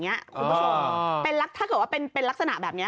คุณผู้ชมถ้าเกิดว่าเป็นลักษณะแบบนี้